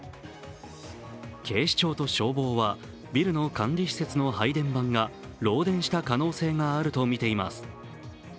警視庁と消防はビルの管理施設の配電盤が漏電した可能性があるとみています。